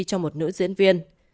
cho một nữ diễn viên